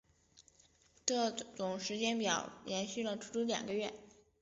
这种时间表延续了足足两个月。